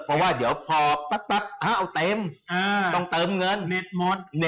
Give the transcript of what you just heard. เพราะว่าเดี๋ยวพอปั๊บเอาเต็มต้องเติมเงิน